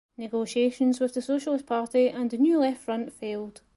Negotiations with the Socialist Party and the new Left Front failed.